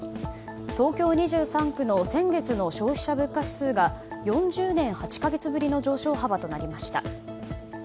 東京２３区の先月の消費者物価指数が４０年８か月ぶりの上昇幅となりました。